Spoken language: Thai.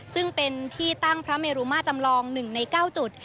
ซึ่งเป็นที่ตั้งพระเมรุมาจำลอง๑ใน๙จุด